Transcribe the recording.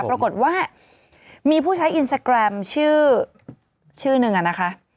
ปรากฏว่ามีผู้ใช้อินสตาแกรมชื่อหนึ่งอะนะคะ